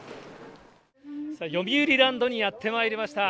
よみうりランドにやってまいりました。